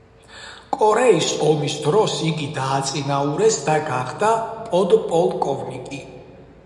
კორეის ომის დროს იგი დააწინაურეს და გახდა პოდპოლკოვნიკი.